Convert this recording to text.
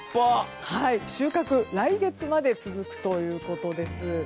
収穫は来月まで続くということです。